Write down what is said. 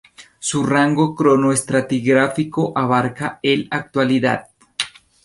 Su rango cronoestratigráfico abarca el Actualidad.